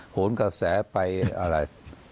โหนกระแสไปอะไร